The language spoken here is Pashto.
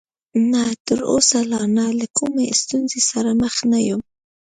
نه، تر اوسه لا نه، له کومې ستونزې سره مخ نه یم.